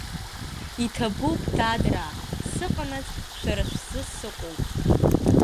Иҭабуп, дадраа, сыҟанаҵ шәара шәзы сыҟоуп!